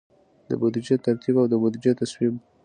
د بودیجې ترتیب او د بودیجې تصویب.